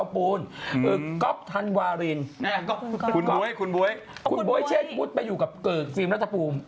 คุณบ๊วยเชชบุ๊ฏไปอยู่กับรัฐภูมิ